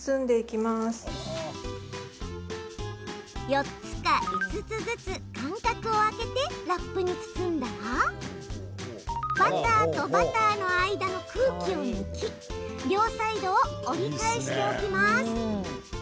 ４つか５つずつ、間隔を空けてラップに包んだらバターとバターの間の空気を抜き両サイドを折り返しておきます。